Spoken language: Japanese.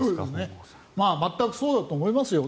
全くそうだと思いますよ。